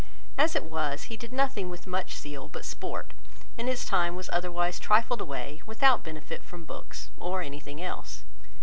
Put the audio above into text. As it was, he did nothing with much zeal, but sport; and his time was otherwise trifled away, without benefit from books or anything else.